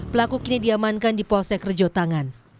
pelaku kini diamankan di posek rejotangan